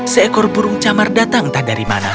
seekor burung camar datang entah dari mana